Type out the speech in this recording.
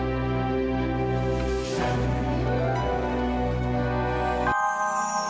kalau penin kurang pertanyaan hmm